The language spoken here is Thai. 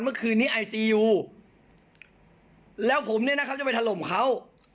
เมื่อคืนนี้ไอซียูแล้วผมเนี่ยนะครับจะไปถล่มเขา